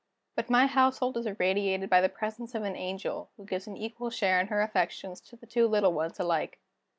But my household is irradiated by the presence of an angel, who gives an equal share in her affections to the two little ones alike."